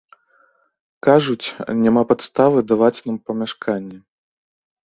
Кажуць, няма падставы даваць нам памяшканне.